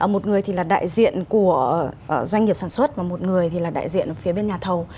một người thì là đại diện của doanh nghiệp sản xuất và một người thì là đại diện phía bên nhà thầu